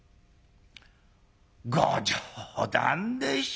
ご冗談でしょ。